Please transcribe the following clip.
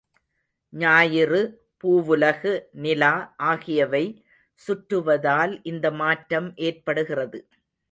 ஞாயிறு, பூவுலகு, நிலா ஆகியவை சுற்றுவதால் இந்த மாற்றம் ஏற்படுகிறது.